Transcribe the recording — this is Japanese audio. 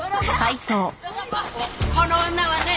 この女はね